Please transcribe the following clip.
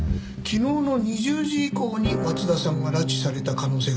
昨日の２０時以降に松田さんは拉致された可能性が高い。